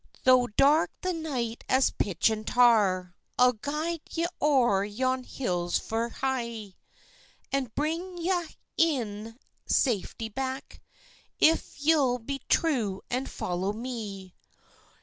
"Tho' dark the night as pitch and tar, I'll guide ye o'er yon hills fu' hie; And bring ye a' in safety back, If ye'll be true and follow me."